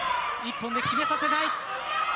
１本目、決めさせない。